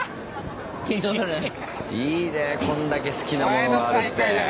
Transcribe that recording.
いいねこんだけ好きなものがあるって。